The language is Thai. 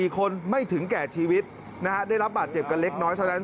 ๔คนไม่ถึงแก่ชีวิตได้รับบาดเจ็บกันเล็กน้อยเท่านั้น